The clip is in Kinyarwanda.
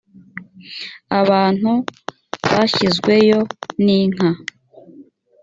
abantu bashyizweyo ni nka